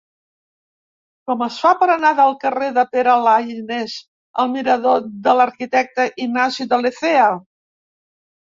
Com es fa per anar del carrer del Pare Laínez al mirador de l'Arquitecte Ignasi de Lecea?